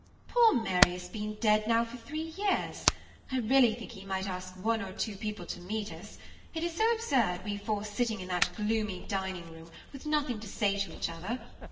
"Poor Mary has been dead now for three years; I really think he might ask one or two people to meet us; it is so absurd we four sitting in that gloomy dining room, with nothing to say to each other.